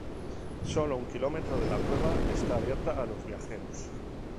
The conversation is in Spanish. Solo un kilómetro de la cueva está abierta a los viajeros.